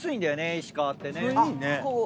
石川ってね。